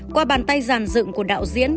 qua bàn tay giàn dựng của đạo diễn